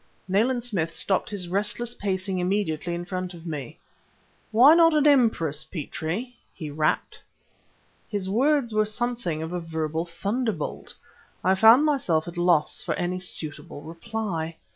Nayland Smith stopped his restless pacing immediately in front of me. "Why not an empress, Petrie!" he rapped. His words were something of a verbal thunderbolt; I found myself at loss for any suitable reply.